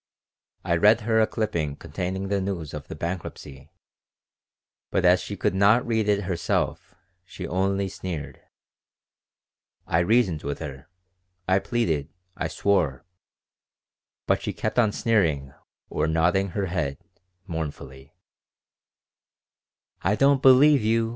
I read her a clipping containing the news of the bankruptcy, but as she could not read it herself, she only sneered. I reasoned with her, I pleaded, I swore; but she kept sneering or nodding her head mournfully "I don't believe you.